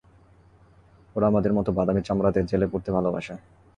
ওরা আমাদের মতো বাদামি চামড়াদের জেলে পুরতে ভালোবাসে।